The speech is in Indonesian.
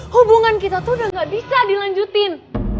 hubungan kita tuh udah gak bisa dilanjutin